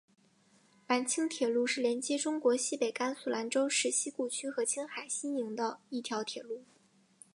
兰青铁路是连接中国西北甘肃兰州市西固区和青海西宁的一条铁路。